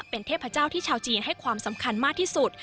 เป็นเทพเจ้าที่ชาวจีนให้ความสำคัญมากที่สุด